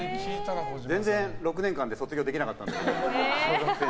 全然、６年間で卒業できなかったけど。